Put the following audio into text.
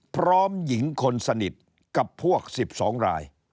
พร้อมหญิงคนสนิทกับพวก๑๒ราย